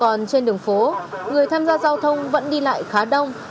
còn trên đường phố người tham gia giao thông vẫn đi lại khá đông